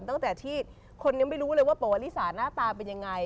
ตั้งแต่ที่คนยังไม่รู้เลยว่าประวัติศาสตร์หน้าตาเป็นยังไง